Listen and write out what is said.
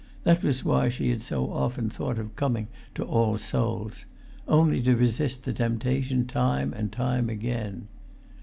That was why she had so often thought of coming to All Souls'—only to resist the temptation time and time again.